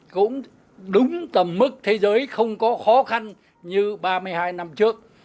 cũng đúng tầm mức thế giới không có khó khăn như ba mươi hai năm trước